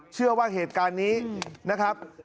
เชื่อว่าเหตุการณ์นี้นะครับ